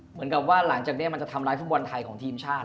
เหมือนกับว่าหลังจากนี้มันจะทำร้ายฟุตบอลไทยของทีมชาติ